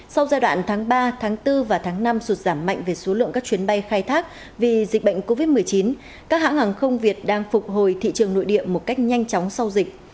sau giai đoạn tháng ba tháng bốn và tháng năm sụt giảm mạnh về số lượng các chuyến bay khai thác vì dịch bệnh covid một mươi chín các hãng hàng không việt đang phục hồi thị trường nội địa một cách nhanh chóng sau dịch